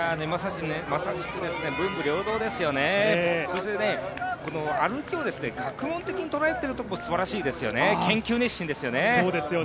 まさしく、文武両道ですよね、そして、この歩きを学問的に捉えてるところがすばらしいですよね